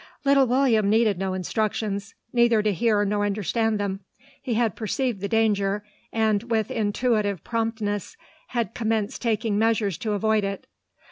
Little William needed no instructions, neither to hear nor understand them. He had perceived the danger, and, with intuitive promptness, had commenced taking measures to avoid it.